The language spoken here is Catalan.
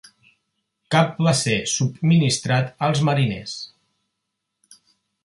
Cap va ser subministrat als marines.